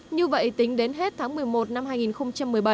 như vậy tính đến hết tháng một mươi một năm hai nghìn một mươi bảy